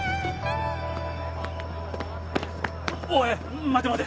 おい待て待て。